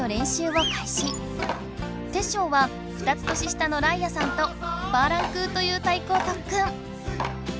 テッショウは２つ年下の羚吾さんとパーランクーという太鼓をとっくん。